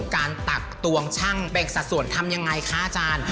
ตักตวงช่างแบ่งสัดส่วนทำยังไงคะอาจารย์